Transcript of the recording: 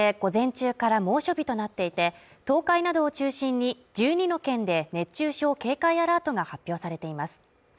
今日も千葉県などで午前中から猛暑日となっていて、東海などを中心に１２の県で熱中症警戒アラートが発表されています。